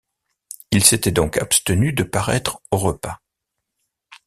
Il s’était donc abstenu de paraître au repas.